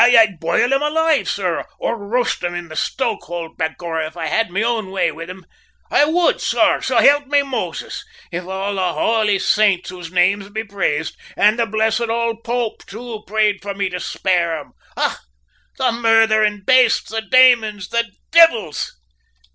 I'd boil 'em alive, sor, or roast 'em in the stoke hold, begorrah, if I had me own way with 'em. I would, sor, so hilp me Moses, if all the howly saints, whose names be praised, an' the blessed ould Pope, too, prayed me to spare 'em. Och, the murtherin' bastes, the daymans, the divvles!"